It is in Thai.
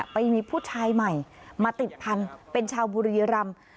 ไปมีผู้ชายใหม่มาติดพันธุ์เป็นชาวบุรีรำ